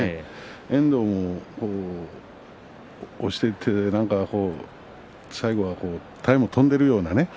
遠藤も押していって最後は体が跳んでいるような。